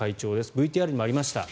ＶＴＲにもありました。